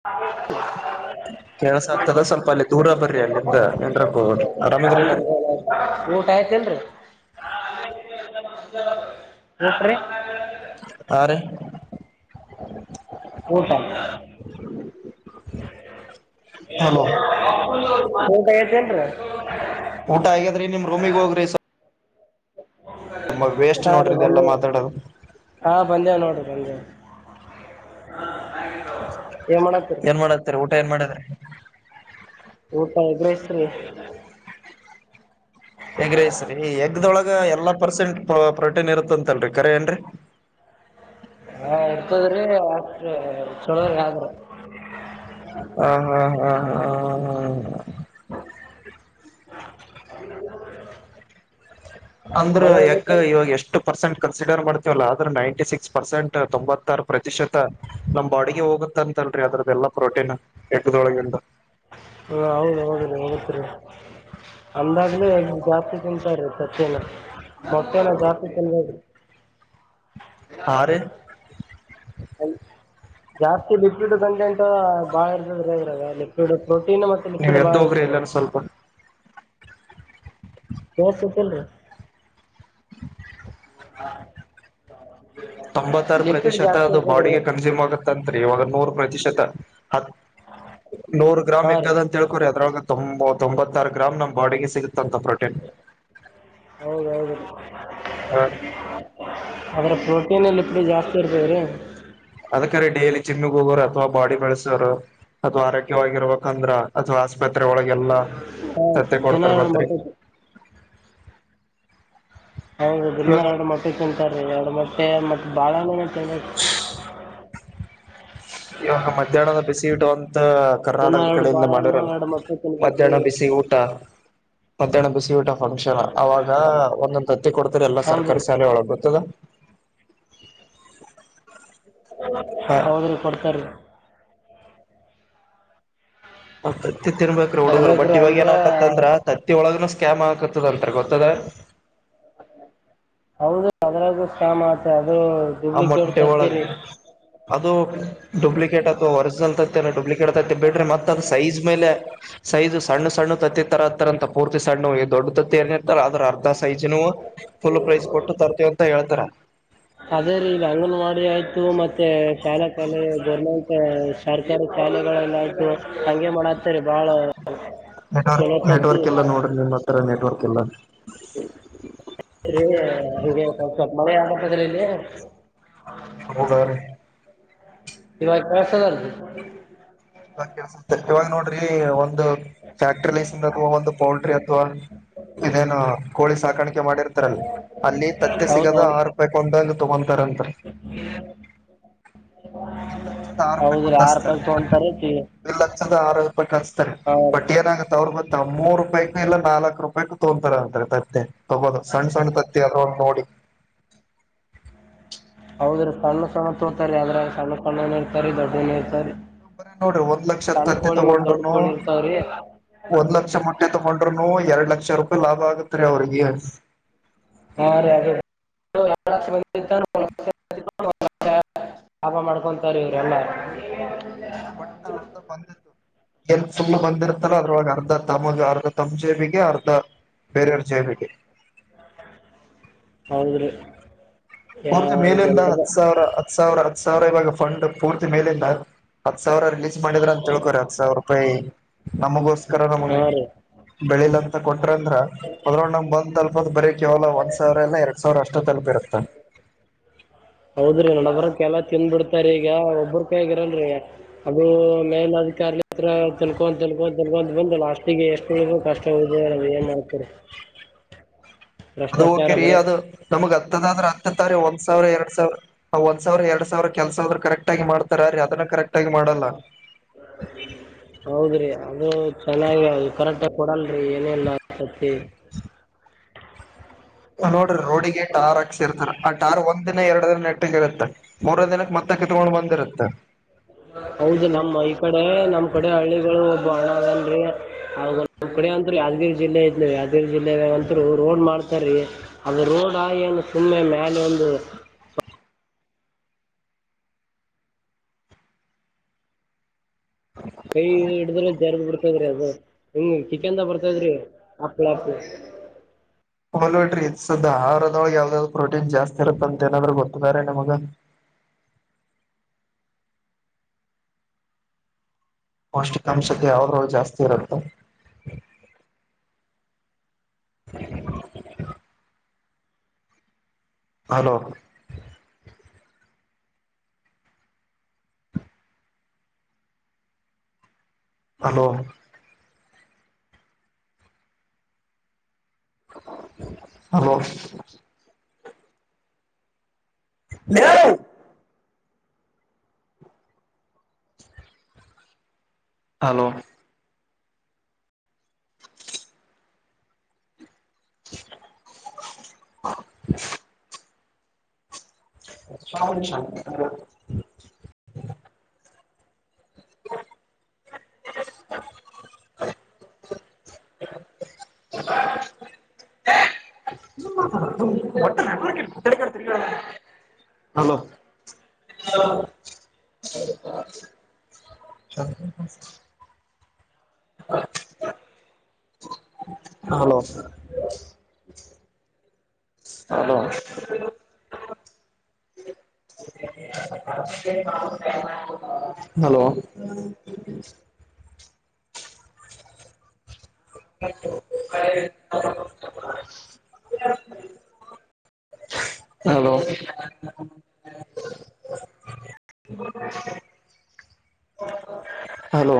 [unintelligible] ಕೇಳಸತದ ಸ್ವಲ್ಪ ಅಲ್ಲಿ ದೂರ ಬರ್ರಿ ಅಲ್ಲಿಂದ ಏನ್ರ ಆರಾಮದ್ರಿಲ್ರರಿ [unintelligible] ಊಟ ಆಯ್ತಿಲ್ರಿ [unintelligible] ಹಾ ರೀ ಊಟ ಹೋ ಊಟ ಐದೇನ್ರೀ ಊಟ ಹಾಗಗ್ಯಾದ್ರಿ ನಿಮ್ ರೂಮಿಗ್ ಹೋಗ್ರಿ ಹ ವೇಸ್ಟ್ ರ ನೋಡ್ರಿ ಬಂದ ಇದೆಲ್ಲಾ ಮಾತಾಡೋದು ಹಾ ಬಂದೆವೆ ನೋಡಿ ಬಂದೆವೆ ಏ ಮಾಡತೀರಿ ಪೇರ್ ಮಾಡಿದ್ರ ಊಟ ಹೆಗ್ ಹೆಸ್ರೀ ಹೆಗ ರಸ್ರೀ ಎಗ್ಗ್ದೊಳಗ ಎಲ್ಲಾ ಪರ್ಸೆಂಟ್ ಪ್ರೋಟೀನ್ ಇರುತ್ತಂತಲ್ರರಿ ಕರ ಏನ್ರರಿ [inaudible] ಹಾ ಇರ್ತದ್ರಿ ಅಷ್ಟ ಚಲೋರಿ ಆದ್ರ ಹ್ಮ ಹಾ್ ಹಾ್ ಹಾ ಹ ಹಾ [inaudible] ಅಂದ್ರ ಮಳೆ ಯಕ ಆಗೈತೆ ಇವಾಗ ಎಷ್ಟು ಪರ್ಸೆಂಟ್ ಕನ್ಸಿಡರ್ ಮಾಡ್ತೀವಲ್ಲ ಆದ್ರೆ ನೈಂಟಿ ಸಿಕ್ಸ್ ಪರ್ಸೆಂಟ್ ತೊಂಬತ್ತಾರು ಪ್ರತಿಶತ ನಮ್ ಅಡಿಗೆ ಹೋಗತ್ತ ಅಂತಲ್ರರಿ ಅದ್ರದ್ದೆಲ್ಲಾ ಪ್ರೋಟೀನ್ ಎಗ್ದೊಳಗಿಂದ ಹಾ ಹೌದು ಹೋಗ್ರ ಹೋಗತೀರಿ ಅಂದಾಗ್ಲೇ ಜಾಸ್ತಿ ತಿಂತ ಇ್ರ ಸತ್ಯೇನ ಮೊತ್ತೆಲ್ಲ ಜಾಸ್ತಿ ಚಲ್ಲ [inaudible] ಹಾ ರೀ [inaudible] ಜಾಸ್ತಿ ಲಿಕ್ವಿಡ್ ಕಂಟೆಂಟ್ ಬಾಳ ಇರ್ದದ್ರೆ ಇ್ರದ ಲಿಕ್ವಿಡ್ ಪ್ರೋಟೀನ್ ಮತ್ತೆ ನೀವ್ ಲಿಕ್ವಿಡ್ ಬಾ ಎದ್ದ ಹೋಗ್ರಿ ಐತದೆ ಎಲ್ಲಾನ ಸ್ವಲ್ಪ ಹಸತಲ್ ತೊಂಬತ್ತಾರು ಲಿಪಿಡ್ ಪ್ರತಿಶತ ಜಾಸ್ತಿ ಅದು ಇರ್ತದ ರೀ ಬಾಡಿಗೆ ಕನ್ಸ್ಯೂಮ್ ಆಗತ್ತಂತ್ರಿ ಇವಾಗ ನೂರು ಪ್ರತಿಶತ ಹತ್ ನೂರು ಗ್ರಾಮ್ ಹಾಂ ರೀ ಎಗ್ಗದ ಅಂತ ಹೇಳ್ಕೊ್ರಿ ಅದ್ರೊಳಗೆ ತೊಂಬೊಂಬತ್ತಾರು ಗ್ರಾಮ್ ನಮ್ ಬಾಡಿಗೆ ಸಿಗುತ್ತ ಹೌದೌದು ಆದ್ರ ಪ್ರೋಟೀನ ಎಲ್ಲಿ ಪಡಿ ಜಾಸ್ತಿ ಇರ್ತೇವೆ ರೀ ಅದಕ್ರ ಡೇಲಿ ಚಿಮಗ್ ಹೋಗೋರು ಅಥವಾ ಬಾಡಿ ಬೆಳಸೋರು ಅಥ್ ಆರೋಗ್ಯವಾಗಿರ್ಬೇಕಂದ್ರ ಅಥವಾ ಆಸ್ಪತ್ರೆ ಒಳಗೆಲ್ಲಾ ಹಾಂ ಸತ್ತೆ ದಿನ ಕೊಡ್ತಾರ ಎರಡು ಮತ್ರಿ ಮೊಟ್ಟೆ ಹೌದುದನ್ನ ಇವಾಗ ಎರಡು ಮೊಟ್ಟೆ ತಿಂತಾರೀ ಎರಡು ಮೊಟ್ಟೆ ಮತ್ತೆ ಬಾಳ ತಿ ಇವಾಗ ಮಧ್ಯಾಹ್ನದ ಬಿಸಿ ಇಟ್ಟುಂತ ದಿನ ಕರ್ನಾಟಕದ ಎರಡು ಕಡೆಯಿಂದ ಬಾಳೆಹಣ್ಣು ಮಾಡಿರಲ್ಲ ಎರಡು ಮೊಟ್ಟೆ ತಿನ್ಬೇಕು ರೀ ಮಧ್ಯಾಹ್ನ ಬಿಸಿ ಊಟ ಮತ್ತ್ಯಾಹ್್ಣ ಬಿಸಿ ಊಟ ಫಂಕ್ಷನ್ ಅವಾಗ ಒಂದೊಂದ್ ತತ್ತಿ ಕೊಡ್ತರಿ ಎಲ್ಲಾ ಹೌದು ಸರ್ಕಾರಿ ರೀ ಸಾಲಿ ಒಳ ಗೊತ್ತದ ಹೌದ್ರಿ ಕೊಡ್ತಾರೀ ತತ್ತಿ ತಿನ್ಬೇಕ್ರ ಹುಡುಗರು ಕೊಡ್ಬೇಕ್ರಿ ಬಟ್ ಇವಾಗ ಅಂದ್ರ ಏನಕತ್ತಂದ್ರ ತತ್ತಿ ಒಳಗ ಕ್ಯಾಮ್ ಹಾಕತದ [unintelligible] ಅಂತ ಗೊತ್ತದ ಹೌದು ಅದ್ರು ಸ ಮಾಡ್ತ ಆ ಮೊಟ್ಟೆ ಒಳಗೆ ಅದು ಡೂಪ್ಲಿಕೇಟ್ ಅಥವಾ ಒರಿಜಿನಲ್ ತತ್ತನ ಡೂಪ್ಲಿಕ ಕೆಡತೈತೆ ಬಿಡ್ರಿ ಮತ್ತತ್ದ್ ಸೈಜ್ ಮೇಲೆ ಸೈಜು ಸಣ್ಣ ಸಣ್ಣ ತತ್ತಿ ತರ ಹತ್ತರ ಅಂತ ಪೂರ್ತಿ ಸಣ್ಣ ದೊಡ್ಡ ತತ್ತಿ ಅಏ ಲ್ಲ ಅದ್ರ ಅರ್ಧ ಸೈಜ್ನು ಫುಲ್ ಪ್ರೈಜ್ ಕೊಟ್ಟು ತರ್ತಿೀವ ಅಂತ ಹೇಳ್ತಾರ ಅದೇ ರೀ ಇಲ್ಲಿ ಅಂಗನವಾಡಿ ಆಯ್ತು ಮತ್ತೆ ಶಾಲಾ ಕಾಲ ಗೋರ್ಮೆಂಟ್ ಸರ್ಕಾರಿ ಶಾಲೆಗಳೆಲ್ಲ ಹಾಗಗೆ ಮಾಡ ಹತರಿ ಬಾಳ ನೆಟ್ವರ್ಕ್ ನೆಟ್ವರ್ಕ್ ಎಲ್ಲ ನೋಡ್ರಿ ನಿಮ್ಮ ಹತ್ರ ನೆಟ್ವರ್ಕ್ ಎಲ್ಲ ಮೊದಲಲ್ಲ ಹೌದ್ರೀ ಇವಾಗ ಕೆಸರ್ದು ಇಾಗ ಕೆಲಸ ಇವಾಗ ನೋಡ್ರ ಒಂದು ಫ್ಯಾಕ್ಟ್ರಿ ಲಸ ಅಥವಾ ಒಂದು ಪೋಲ್ಟ್ರಿ ಅಥವಾ ಇದೇನ ಕೋಳಿ ಸಾಕಾಣಿಕೆ ಮಾಡಿರ್ತಾರಲ್ ಅಲ್ಲಿ ತತ್ತೆ ಹೌದು ಸಿಗೋದ ಹೌದು ಆರು ರೂಪಾಯಿ ಕೊಂಡೊಂದು. ತಗೊಂತರಂತ. [unintelligible] ರೂಪಾಯಿ ಹೌದು ರೀ ಒಂದ್ ಆರು ಹಚ್ತಾರಾ. ರೂಪಾಯಿ ತೊಗೊಂತಾರೆ ಟಿ ದ ಇಲ್ಲಿ ಆರು ರೂಪಾಯಿ ಹಚ್ತಾರಾ ಹಾಂ ರೀ ಬಟ್ ಏನಾಗುತ್ತೆ ಅವ್ರ ಮತ್ತೆ. ಮೂರು ರೂಪಾಯಿು ಇಲ್ಲ ನಾಲ್ಕ್ ರೂಪಾಯು ತೊಂತತಾರ ಅಂತಾರೆ ತತ್ತೆ. ಹಗೋದು ಸಣ್ಣ ಸಣ್ಣ ತತ್ತೇ ಅದರಾಗ ನೋಡಿ. ಹೌದ್ರ ಸಣ್ಣ ಸಣ್ಣ ತೋತಾರೆ ಅದ್ರ ಸಣ್ಣ ಸಣ್ಣು ಇರ್ತಾರೆ ದೊಡ್ಡನು ಇರ್ತರಿ. ಬರ ನೋಡ್ರಿ ಒಂದ್ ಲಕ್ಷ ತತ್ತಿ ಮತ್ತು ದೊಡ್ಡ ತಗೊಂಡ್ರರುನು ಕೋಳಿ ಇರ್ತಾವೆ ರೀ ಒಂದ್ ಲಕ್ಷ ಮಟ್ಟೆ ತೊಂಡ ತಕೊಂಡ್ರನು ಎರಡ್ ಲಕ್ಷ ರೂಪಾಯಿ ಲಾಭ ಆಗತ್ ರೀ ಅವ್ರಿಗೆ. ಹಾ ಅ ಎರಡು ಲಕ್ಷ [unintelligible] [unintelligible] ಲಾಭ ಮಾಡ್ಕೊಂತಾರೆ ಇವ್ರಲ್ಲ. ಒಟ್ಟ ಅರ್ಧ ಬಂದಿತ್ತು ಎ ಫುಲ್ ಬಂದಿರ್ತಾರ ಅದ್ರೊಗ. ಅರ್ಧ ತಮಗೆ ಅರ್ಧ ತಮ್ಮ ಜೇಬಿಗೆ ಅರ್ಧ ಬೇರೆಯವ್ರ ಜೇಬಿಗೆ. [inaudible] ಹೌದ್ರೀ. ಪೂರ್ತಿ ಮೇಲಿಂದ ಹತ್ತು ಸಾವಿರ ಹತ್ತು ಸಾವಿರ ಹತ್ತು ಸಾವಿರ ಇವಾಗ ಫಂಡ್ ಪೂರ್ತಿ ಮೇಲಿಂದ. ಹತ್ ಸಾವಿರ ರಿಲೀಸ್ ಮಾಡಿದ್ರ ಅಂತ ತಿಳ್ಕೋರಿ ಹತ್ ಸಾವಿರ ರೂಪಾಯಿ ನಮಗೋಸ್ಕರ ನಮಗೆ. ಹಾಂ ರೀ ಬೆಳಿಲ ಅಂತ ಕೊಟ್ರ ಅಂದ್ರ ಹೊದ್ರ ನಂಗ ಬಂದ ಅಲ್ಪ ಬರೀ ಕೇವಲ ಒಂದ್ ಸಾವಿರ ಇಲ್ಲಾ ಎರಡ್ ಸಾವಿರ ಅಷ್ಟೊತ್ತ [unintelligible] ಹೌದ್ರಿ ನಡಬರಕ್ಕೆ ಎಲ್ಲ ತಿಂದ ಬಿಡ್ತಾರ ಈಗ ಒಬ್ಬ್ರ ಕೈಯಲ್ಲಿ ಇರಲ್ರಿ ಅದು ಮೇಲಧಿಕಾರಿ. ಹತ್ರ ತಿನ್ಕೊ ತಿನ್ನಕೊಂಡ್ ಬಂದು ಲಾಸ್ಟಿಗೆ ಎಷ್ಟ ಒಳಿಗು ಕಷ್ಟ ಹದೆ ನಾವ್ ಏನ್ ಮಾಡ್ತರಿ. ಅದು ಓಕೆ ರೀ ಅದು ನಮಗ್ ಹತ್ತದಾದ್ರೆ ಹತ್ತತ್ತಾರಿಂ ಒಂದು ಸಾವಿರ ಎರಡ್ ಸಾವಿ ಒಂದ್ ಸಾವಿರ ಎರಡ್ ಸಾವಿರ ಕೆಲಸ ಆದ್ರರು ಕರೆಕ್ಟ್ ಆಗ ಮಾಡ್ತಾರ ರೀ ಅದನ್ನ ಕರೆಕ್ಟ್ ಒಟ್ಟಾಗಿ ಮಾಡಲ್ಲ. ಹೌದ್ರಿ ಅದು ಚೆನ್ನಾಗಿ ಅ ಕರೆಕ್ಟ್ ಆಗ ಕೊಡಲ್ರರಿ [unintelligible] [inaudible] ನೋಡ್ರಿ ರೋಡಿಗೆ ಟಾರ್ ಹಾಕ್ಸಿರ್ತಾರ ಆ ಟಾರ್ ಒಂದ್ ದಿನ ಎರಡು ದಿನ ನೆಟ್ಟಗೆ ಇರುತ್ತೆ ಮೂರನೇ ದಿನಕ್ಕೆ ಮತ್ತೆ. ಕಿತ್ಕೊಂಡ್ ಬಂದಿರುತ್ತೆ. ಹೌದು ನಮ್ಮ ಈ ಕಡೆ ನಮ್ ಕಡೆ ಹಳ್ಳಿಗಳು ಬಾಳ ಅದೇನ್ರಿ. ಅಂದ್ರ ಯಾದಗಿರಿ ಜಿಲ್ಲೆ ಇದ ಯಾದಗಿರಿ ಜಿಲ್ಲೆ ಅಂತೂ ರೋಡ್ ಮಾಡ್ ಅದು ರೋಡ್ ಆಗಿ ಏನು ಸುಮ್ಮನೆ ಮೇಲೆ ಒಂದು. ಕೈ ಹಿಡಿದ್ರ ಜಾರದ ಬರ್ತದ್ರಿ ಅದು ಹಿಂಗ ಕಿತ್ಕೊಂಡ್ ಬರ್ತದ್ರಿ ಹಪ್ಪಳ ಹಾಪ. [inaudible] ಮಲ್ಟ್ರಿ ಸುದ್ದ ಆಹಾರದೊಳ ಯಾವ್ದಾವ್ದ ಪ್ರೋಟೀನ್ ಜಾಸ್ತಿ ಇರುತ್ತ ಅಂತ ಏನಾದ್ರು ಗೊತ್ತಿದಾರೆ ನಮಗ. [inaudible] ಪೌಷ್ಟಿಕಾಂಶತೆ ಯಾವದ್ರಲ್ಲಿ ಜಾಸ್ತಿ ಇರುತ್ತೆ. [inaudible] Hello hello hello [unintelligible] hello. [inaudible] [inaudible] [inaudible] [unintelligible] Hello [unintelligible] hello hello hello. Hello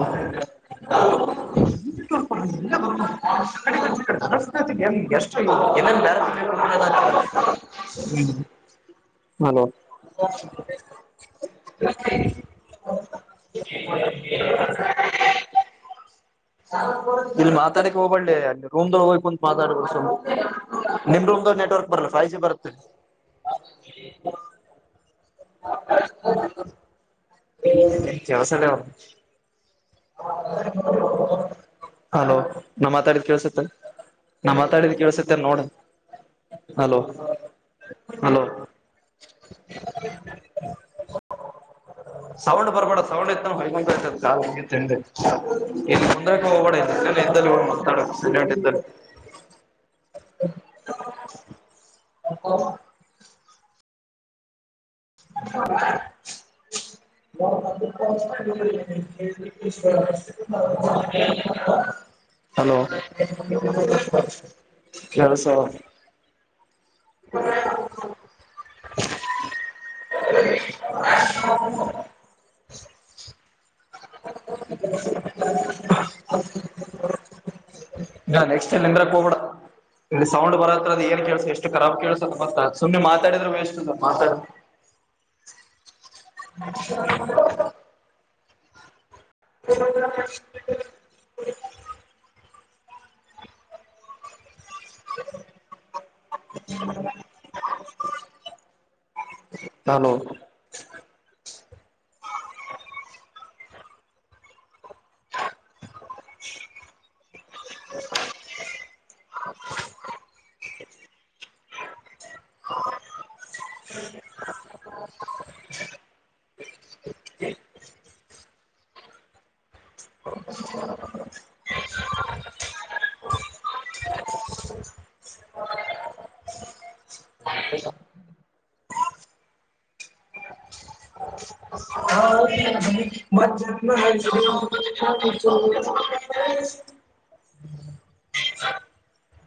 hello [unintelligible] hello. ಇಲ್ಲಿ ಮಾತಾಡಕ್ ಹೋಗಬಿ ಅ ರೂಮ್ ಹೋಗ ಕುಂತತ್ ಮಾತಾಡುವ ನಿಮ್ ರೂಮ್ ನೆಟ್ವರ್ಕ್ ಬರಲ್ಲ ಫೈವ್ ಜಿ ಬರ್ತ ಎ ಕೆೋಸಲ ನಾ್ ಮಾತಾಡಿದ್ ಕೇಳಳ್ಸತ್ತ ನಾ ಮಾತಾಡಿದ ಕೇಳ್ಸತ್ತೇ ನೋಡ ಹಲೋ ಹಲೋ ಸೌಂಡ್ ಬರ್ಬೇಡ ಸೌಂಡ್ ಇ ಹ ಕಾ ಇಲ್ಲಿ ಮುಂದ ಹೋಗಬೇಡ ಇದ್ದಲ್ಲ ಮಾತಾಡ ಸಂಜ ಹೊಟ್ಟ ಇದ್ದಲ್ಲ [inaudible] ಮ ಹಲೋ ಯಸ ಹ [inaudible] [inaudible] ನಾ ನೆಕ್ಸ್ಟ್ ಟ ನಿಂದ್ರ ಹೋಗಬಡ ಇ ಸೌಂಡ್ ಬರತ್ರದ ಏನ್ ಕೇಳ್ಸ ಎಷ್ಟು ರಾಬ್ ಕೇಳ್ಸ ಮತ್ತ ಸುಮ್ಮ್ನೆ ಮಾತಾಡಿದ್ರೆ ವೇಸ್ಟ್ ಅ ಮಾತಾಡ ಹ [inaudible] ಹ್ಮ್ ಹಲೋ ಹ [inaudible] ಹ್ಮ ಹ್ಮ [inaudible] ಹ ಹ ಹ ಮಧತ್ ಹ್ಮ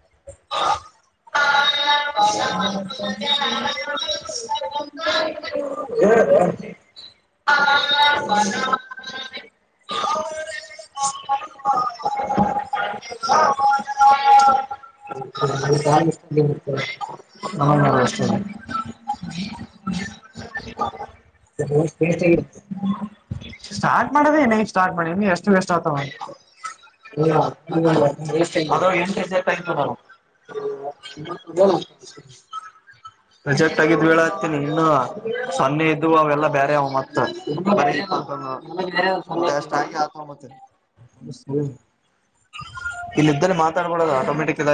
[inaudible] ಹ್ಮ [inaudible] [inaudible] ನಮ್ಮಷ್ಟ [inaudible] ಸ್ಟಾರ್ಟ್ ಮಾಡೋದೇನ ಸ್ಟಾರ್ಟ್ ಮಾಡಿ ಎಷ್ಟು ವೇಸ್ಟ್ ಆಗ್ತ ಹ ಮ ಎಂಟು [inaudible] ಪ್ರಜೆಕ್ಟ್ ಆಗಿದ್ದ್ ಬೀಳ ಹತೀನಿ ಇನ್ನು ಸೊನ್ನೆ ಇದ್ದು ಅವೆಲ್ಲಾ ಬೇರೆ ಅವ ಮತ್ ಅಷ್ಟ ಹಾಗೆ ಆತ ಮತ್ತ ಇಲ್ಲ ಇದ್ದಲ್ಲಿ ಮಾತಾಡ್ಬಡದು ಆಟೋಮೆಟಿಕ್